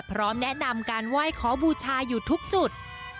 พร้อมแนะนำการไหว้ขอบูชาอยู่ทุกจุด